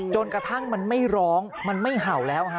จนกระทั่งมันไม่ร้องมันไม่เห่าแล้วฮะ